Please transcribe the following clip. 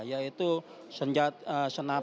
yaitu senapan anggur